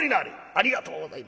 「ありがとうございます」。